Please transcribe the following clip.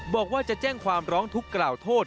บอกว่าจะแจ้งความร้องทุกข์กล่าวโทษ